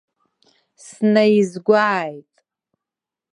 Снаизгәааит.